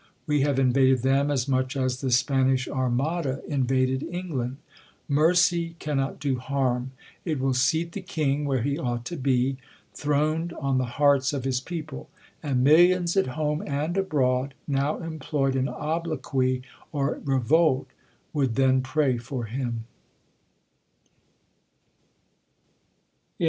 We have invaded them as much as the Spanish armada in vaded LMgland. Mercy cannot do harm \ it will seat the king where he ought to be, throned on the hearts of his people ; and millions at home and abroad, now employed in obloquy or revolt, would then pray for him.